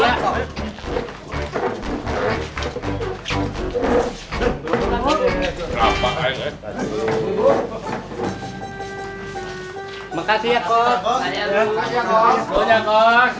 terima kasih ya kok